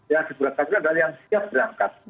karena ada yang siap berangkat